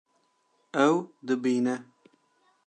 Ew dibîne